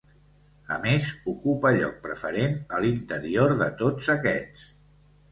A més, ocupa lloc preferent a l'interior de tots aquests.